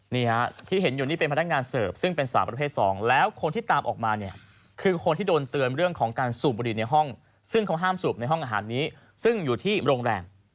นี่ฮะที่เห็นอยู่นี่เป็นพนักงานเสิร์ฟซึ่งเป็นสาวประเภทสองแล้วคนที่ตามออกมาเนี่ยคือคนที่โดนเตือนเรื่องของการสูบบุหรี่ในห้องซึ่งเขาห้ามสูบในห้องอาหารนี้ซึ่งอยู่ที่โรงแรม